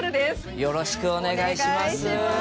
よろしくお願いします。